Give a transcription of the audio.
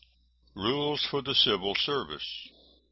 ] RULES FOR THE CIVIL SERVICE.